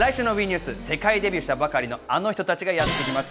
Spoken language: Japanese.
来週のＷＥニュース、世界デビューしたばかりのあの人たちがやってきます。